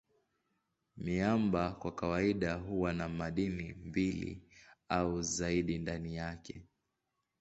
Miamba kwa kawaida huwa na madini mbili au zaidi ndani yake.